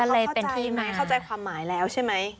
เข้าใจความหมายแล้วใช่ไหม